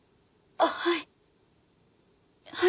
あっはい。